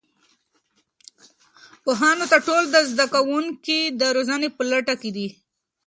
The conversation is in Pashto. پوهانو ته ټول زده کوونکي د روزنې په لټه کې دي.